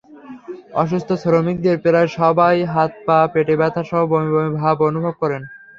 অসুস্থ শ্রমিকদের প্রায় সবাই হাত-পা, পেটে ব্যথাসহ বমি বমি ভাব অনুভব করেন।